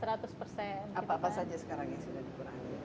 apa apa saja sekarang yang sudah dikurangi